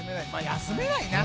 休めないな。